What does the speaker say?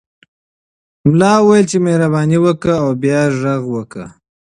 ملا وویل چې مهرباني وکړه او بیا غږ وکړه.